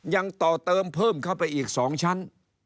ยังต่อเติมเพิ่มเข้าไปอีก๒ชั้น